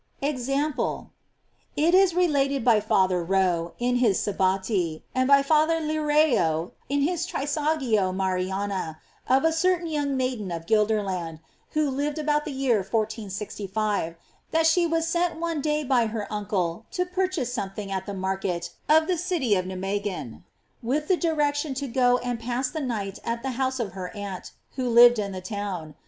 f EXAMPLE. It is related by Father Rho, in his Sabbati, and by Father Lireo, in his Trisagio Mariana, of a certain young maiden of Guelder land, who lived about the year 1465, that she was sent one day by her uncle to purchase something at the market of the city of Nimeguen, with the direc tion to go and pass the night" at the house of her aunt, who lived in the town.